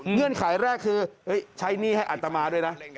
เงื่อนไขแรกคือใช้หนี้ให้อัตมาด้วยนะ